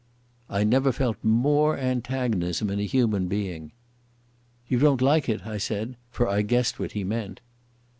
I never felt more antagonism in a human being. "You don't like it?" I said, for I guessed what he meant.